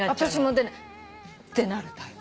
ってなるタイプ。